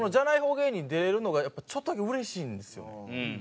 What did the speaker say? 芸人出れるのがやっぱちょっとだけうれしいんですよねはい。